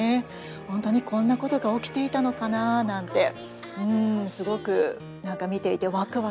本当にこんなことが起きていたのかななんてすごく何か見ていてワクワクしました。